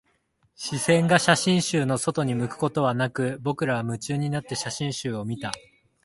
視線が写真集の外に向くことはなく、僕らは夢中になって写真集を見た